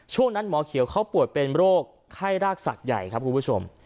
ช่วงนั้นหมอเขียวเขาปวดเป็นโรคไข้รากศักดิ์ใหญ่ครับคุณผู้ชม